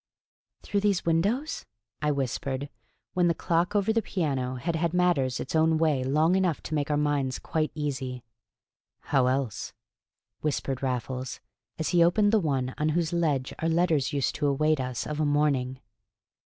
"Through these windows?" I whispered, when the clock over the piano had had matters its own way long enough to make our minds quite easy. "How else?" whispered Raffles, as he opened the one on whose ledge our letters used to await us of a morning.